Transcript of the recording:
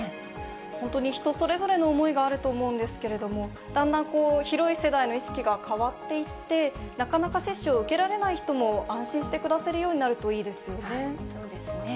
本当に人それぞれの思いがあると思うんですけれども、だんだん広い世代の意識が変わっていって、なかなか接種を受けられない人も、安心して暮らせるようになるとい本当そうですね。